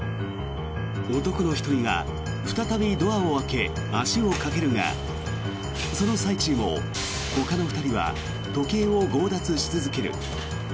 男の１人が再びドアを開け、足をかけるがその最中も、ほかの２人は時計を強奪し続ける。